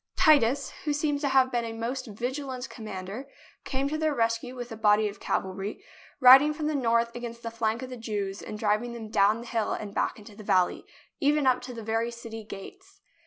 Titus, who seems to have been a most vigilant commander, came to their rescue with a body of cavalry, riding from the north against the flank of the Jews and driving them down the hill and back into the valley, even up to the very city gates.